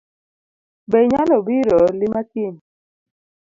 Be inyalobiro lima kiny?